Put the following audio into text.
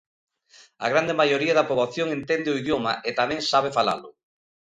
A grande maioría da poboación entende o idioma e tamén sabe falalo.